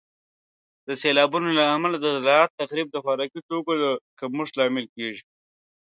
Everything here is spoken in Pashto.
د سیلابونو له امله د زراعت تخریب د خوراکي توکو د کمښت لامل کیږي.